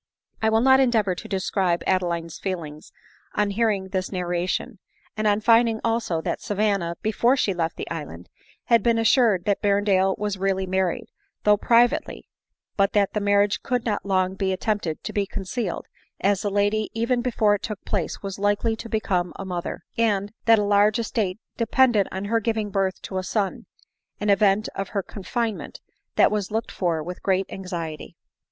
, I will not endeavor to describe Adeline's feelings on hearing this narration, and on finding also, that Savanna, before she left the island, had been assured that Berren dale was really married, though privately, but that the marriage could not long be attempted to be concealed, as the lady even before it took place was likely to become a mother ; and, that as a large estate depended on her giving birth to a son, the event of her confinement was looked for with great anxiety. 240 ADELINE MOWBRAY.